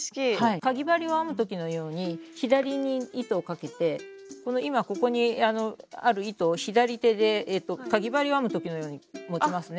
かぎ針を編む時のように左に糸をかけてこの今ここにある糸を左手でかぎ針を編む時のように持ちますね。